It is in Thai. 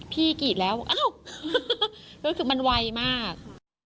พริกกิดแล้วอ้าวรู้สึกมันวัยมาก